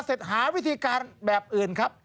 เสร็จหาวิธีการแบบอื่นครับ